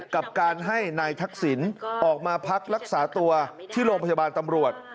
กับการให้นายทักษิณออกมาพักรักษาตัวที่โรงพยาบาลตำรวจ